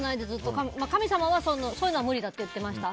神様は、そういうのは無理だって言ってました。